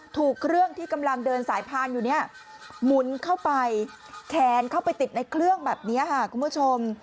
ถูกเครื่องที่กำลังเดินสายพานอยู่เนี่ยหมุนเข้าไปแขนเข้าไปติดในเครื่องแบบนี้ค่ะคุณผู้ชม